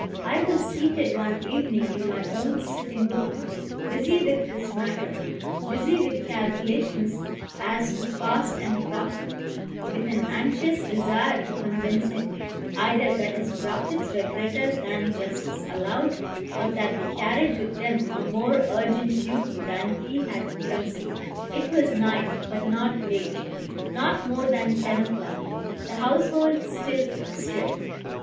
I was seated one evening in my own sitting room, busy with this matter, busy with calculations as to cost and profit, with an anxious desire to convince him, either that his profits were greater than justice allowed, or that they carried with them a more urgent duty than he had conceived. It was night, but not late, not more than ten o'clock, the household still astir.